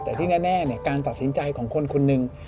แต่ที่แน่การตัดสินใจของคนคนหนึ่ง